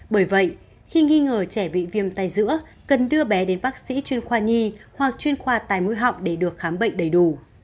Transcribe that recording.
bởi vậy khi nghi ngờ trẻ bị viêm tay giữa cần đưa bé đến bác sĩ chuyên khoa nhi hoặc chuyên khoa tai mũi họng để được khám bệnh đầy đủ